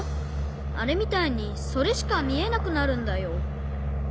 あれみたいにそれしかみえなくなるんだよ。